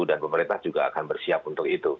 dan pemerintah juga akan bersiap untuk itu